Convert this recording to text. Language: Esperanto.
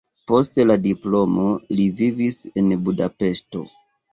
Post la diplomo li vivis en Budapeŝto.